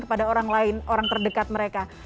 kepada orang lain orang terdekat mereka